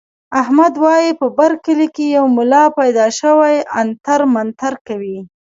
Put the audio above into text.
احمد وايي په بر کلي کې یو ملا پیدا شوی عنتر منتر کوي.